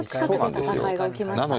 戦いが起きましたね。